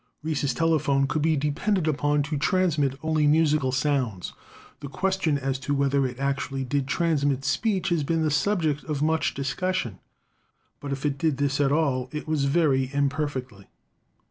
Reis' telephone could be depended upon to transmit only musical sounds. The question as to whether it actually did transmit speech has been the subject of much discussion, but if it did this at all it was very imper fectly.